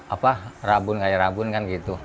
apa rabun kayak rabun kan gitu